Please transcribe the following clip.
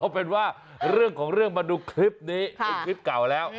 เอาเป็นว่าเรื่องของเรื่องมาดูคลิปนี้เป็นคลิปเก่าแล้ว